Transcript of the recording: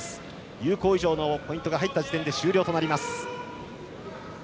有効以上のポイントが入った時点で終了となります。